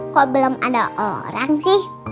kok belum ada orang sih